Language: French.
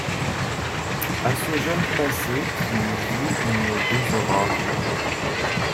A ce jeune passé qui vit nos deux aurores